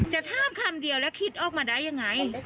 จะถามคำเดียวแล้วคิดออกมาได้ยังไง